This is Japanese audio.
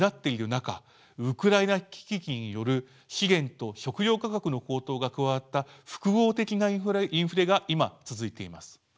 ウクライナ危機による資源と食糧価格の高騰が加わった複合的なインフレが今続いています。